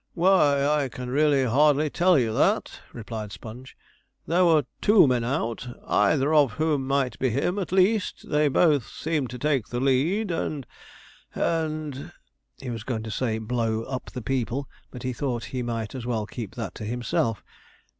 'Why, I can really hardly tell you that,' replied Sponge. 'There were two men out, either of whom might be him; at least, they both seemed to take the lead, and and ' he was going to say 'blow up the people,' but he thought he might as well keep that to himself.